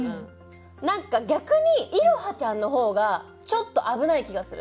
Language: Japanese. なんか逆にイロハちゃんの方がちょっと危ない気がする。